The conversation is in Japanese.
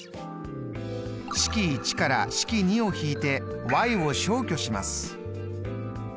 式１から式２を引いてｙを消去します。